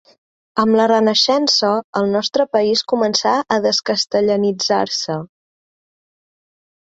Amb la Renaixença el nostre país començà a descastellanitzar-se.